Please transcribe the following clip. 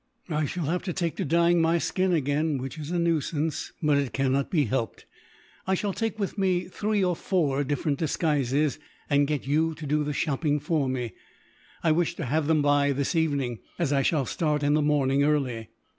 I shall have to take to dyeing my skin again, which is a nuisance, but it cannot be helped. I shall take with me three or four different disguises, and get you to do the shopping for me. I wish to have them by this evening, as I shall start in the morning, early.